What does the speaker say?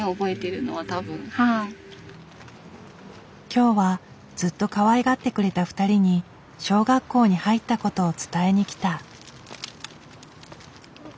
今日はずっとかわいがってくれた２人に小学校に入ったことを伝えに来た。